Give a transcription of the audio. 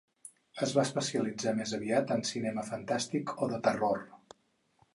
Es va especialitzar més aviat en el cinema fantàstic o de terror.